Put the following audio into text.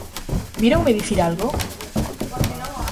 ¿Víronme dicir algo?